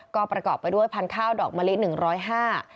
ก่อประกอบไปด้วยพันข้าวดอกมะลิ๑๐๕บาท